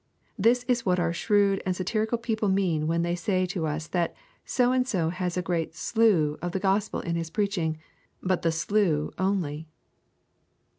This is what our shrewd and satirical people mean when they say of us that So and so has a great sough of the gospel in his preaching, but the sough only.